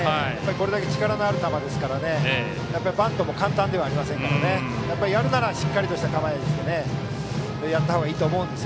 これだけ力のある球ですからバントも簡単ではありませんからやるならしっかりした構えにしてやったほうがいいと思います。